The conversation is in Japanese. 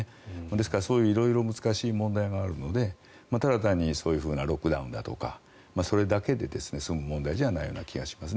ですから、そういう色々難しい問題があるのでただ単にロックダウンだとかそれだけで済む問題じゃないような気がします。